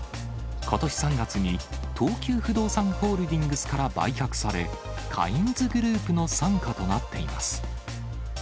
ことし３月に東急不動産ホールディングスから売却され、カインズグループの傘下となっています。